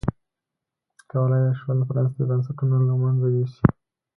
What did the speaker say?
کولای یې شول پرانیستي بنسټونه له منځه یوسي.